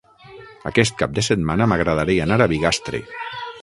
Aquest cap de setmana m'agradaria anar a Bigastre.